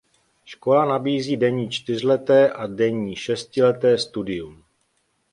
Škola nabízí denní čtyřleté a denní šestileté studium.